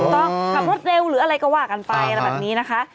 ถามรถเร็วหรืออะไรก็ว่ากันไปแบบนี้นะคะ